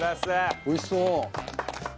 おいしそう。